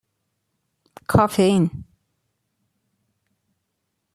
کافئین